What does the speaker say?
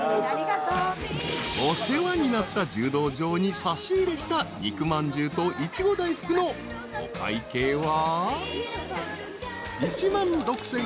［お世話になった柔道場に差し入れした肉まんじゅうといちご大福のお会計は］